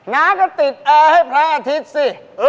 น้าก็ติดแอร์ให้พระอาทิตย์สิ